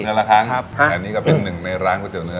เดือนละครั้งครับนี่ก็เป็นหนึ่งในร้านก๋วยเตี๋ยวเนื้อ